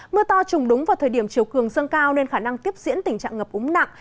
mưa to trùng đúng vào thời điểm chiều cường dâng cao nên khả năng tiếp diễn tình trạng ngập úng nặng